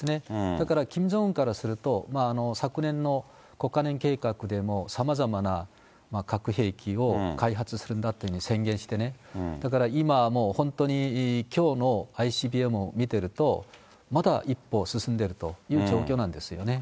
だからキム・ジョンウンからすると、昨年の５か年計画でも、さまざまな核兵器を開発してるんだというの宣言してね、それから今はもう本当にきょうのＩＣＢＭを見てると、また一歩進んでいるという状況なんですよね。